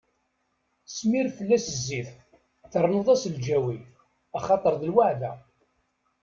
Smir fell-as zzit, ternuḍ-as lǧawi, axaṭer d lweɛda.